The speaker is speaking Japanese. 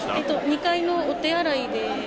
２階のお手洗いで。